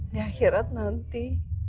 di akhirat nanti